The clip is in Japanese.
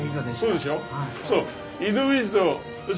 そうでしょ。